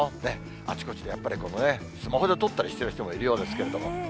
あちこちでやっぱりこのね、スマホで撮ったりしてる人もいるようですけれども。